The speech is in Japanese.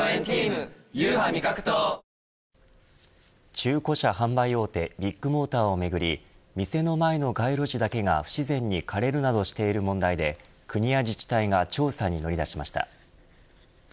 中古車販売大手ビッグモーターをめぐり店の前の街路樹だけが不自然に枯れるなどしている問題で国や自治体が調査に乗り出しました。